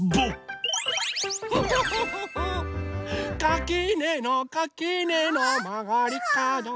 「かきねのかきねのまがりかど」